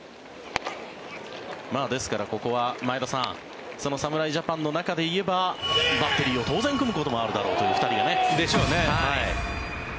ですから、ここは前田さんその侍ジャパンの中で言えばバッテリーを当然組むこともあるであろうでしょうね。